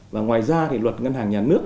và ngoài ra thì luật ngân hàng nhà nước